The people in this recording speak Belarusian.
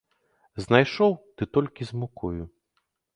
Знайшоў, ды толькі з мукою.